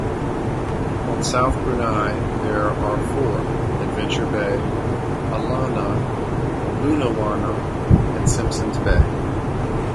On South Bruny there are four: Adventure Bay, Alonnah, Lunawanna and Simpsons Bay.